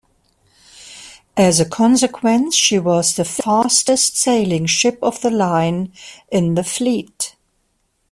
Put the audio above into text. As a consequence she was the fastest sailing ship-of-the-line in the fleet.